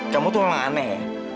kamu tuh emang aneh ya